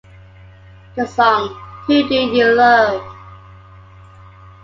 The song Who Do You Love?